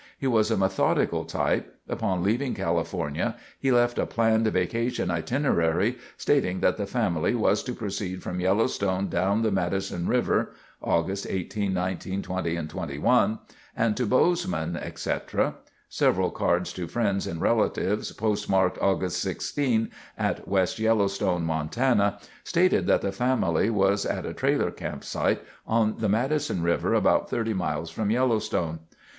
He was a methodical type. Upon leaving California, he left a planned vacation itinerary stating that the family was to proceed from Yellowstone down the Madison River (August 18, 19, 20 and 21) and to Bozeman, etc. Several cards to friends and relatives postmarked Aug. 16 at West Yellowstone, Montana, stated that the family was at a trailer campsite "on the Madison River, about 30 miles from Yellowstone."